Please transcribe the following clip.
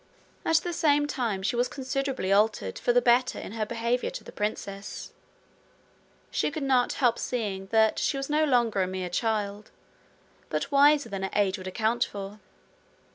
At the same time she was considerably altered for the better in her behaviour to the princess. She could not help seeing that she was no longer a mere child, but wiser than her age would account for.